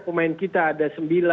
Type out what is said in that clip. pemain kita ada sembilan